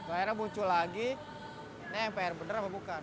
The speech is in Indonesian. akhirnya muncul lagi ini mpr bener apa bukan